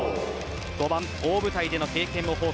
５番・大舞台での経験も豊富